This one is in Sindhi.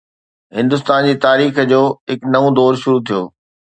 هندستان جي تاريخ جو هڪ نئون دور شروع ٿيو